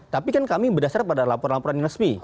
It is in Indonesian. tapi kan kami berdasarkan laporan laporan yang resmi